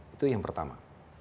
itu yang pertama